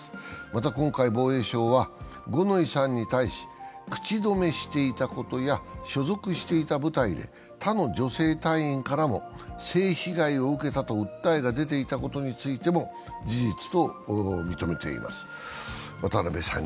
また、今回、防衛省は五ノ井さんに対し、口止めしていたことや所属していた部隊で他の女性隊員からも性被害を受けたと訴えが出ていたことについても事実と認めています。